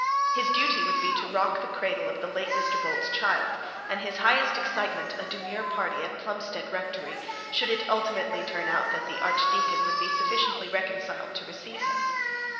His duty would be to rock the cradle of the late Mr Bold's child, and his highest excitement a demure party at Plumstead rectory, should it ultimately turn out that the archdeacon be sufficiently reconciled to receive him.